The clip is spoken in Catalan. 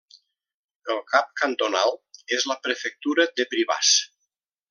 El cap cantonal és la prefectura de Privàs.